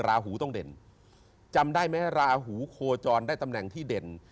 ราหูต้องเด่นจำได้ไหมราหูโคจรได้ตำแหน่งที่เด่น